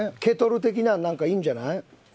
ケトル的なのなんかいいんじゃない？